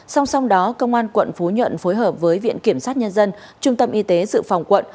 song song đó công an quận phú nhuận phối hợp với viện kiểm sát nhân dân trung tâm y tế dự phòng quận